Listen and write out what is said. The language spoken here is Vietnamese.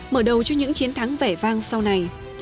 mở đầu cho những chiến thắng vẻ vang sau này